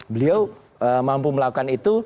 beliau mampu melakukan itu